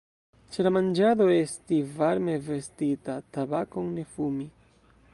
Ĉe la manĝado esti varme vestita; tabakon ne fumi.